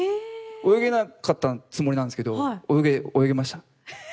泳げなかったつもりなんですけど泳げました。